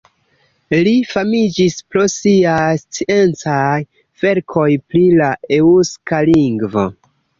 Li famiĝis pro siaj sciencaj verkoj pri la eŭska lingvo.